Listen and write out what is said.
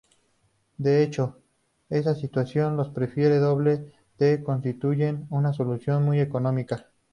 De hecho, en esa situación los perfiles doble T constituyen una solución muy económica.